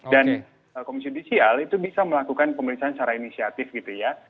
dan komisi judisial itu bisa melakukan pemeriksaan secara inisiatif gitu ya